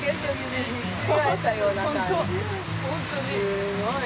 すごい。